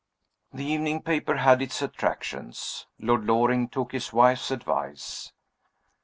The evening paper had its attractions. Lord Loring took his wife's advice.